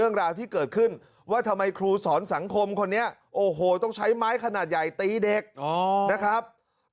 นะครับ